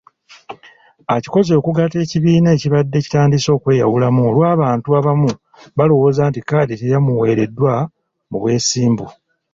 Akikoze okugatta ekibiina ekibadde kitandise okweyawulamu olw'abantu abamu balowooza nti kkaadi teyamuweereddwa mu bwesimbu.